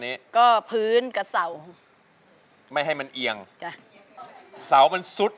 ตอนนี้พอจะไปทำอะไรได้มาก